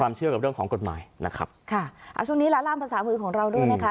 เชื่อกับเรื่องของกฎหมายนะครับค่ะอ่าช่วงนี้ละล่ามภาษามือของเราด้วยนะคะ